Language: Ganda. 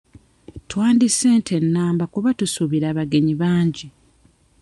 Twandisse ente namba kuba tusuubira abagenyi bangi.